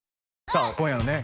さあ今夜のね